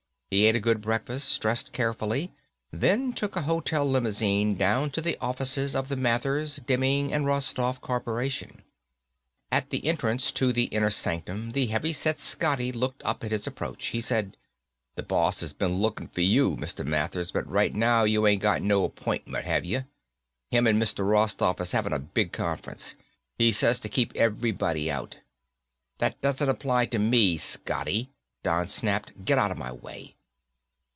He ate a good breakfast, dressed carefully, then took a hotel limousine down to the offices of the Mathers, Demming and Rostoff Corporation. At the entrance to the inner sanctum the heavyset Scotty looked up at his approach. He said, "The boss has been looking for you, Mr. Mathers, but right now you ain't got no appointment, have you? Him and Mr. Rostoff is having a big conference. He says to keep everybody out." "That doesn't apply to me, Scotty," Don snapped. "Get out of my way."